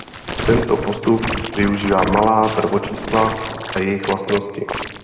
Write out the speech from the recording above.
Tento postup využívá malá prvočísla a jejich vlastnosti.